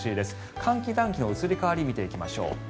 寒気、暖気の移り変わりを見ていきましょう。